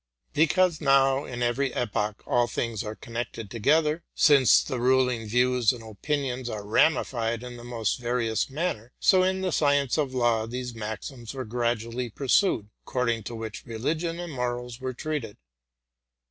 Since, in every epoch, all things are connected together, because the ruling views and opinions are ramified in the most various manner; so in the science of law those maxims were gradually pursued, according to which religion and morals were treated.